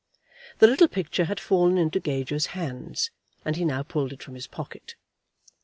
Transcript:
The little picture had fallen into Gager's hands, and he now pulled it from his pocket.